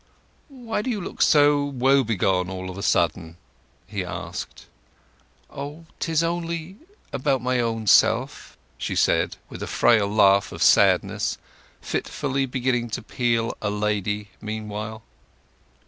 "Why do you look so woebegone all of a sudden?" he asked. "Oh, 'tis only—about my own self," she said, with a frail laugh of sadness, fitfully beginning to peel "a lady" meanwhile.